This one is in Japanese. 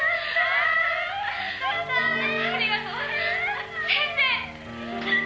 「ありがとう先生！」